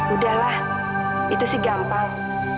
udahlah itu sih gampang